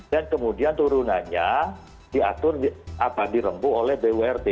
dan kemudian turunannya diatur dirempuh oleh dwrt